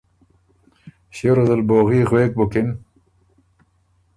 ݭيې ریوز ال بوغي غوېک بُکِن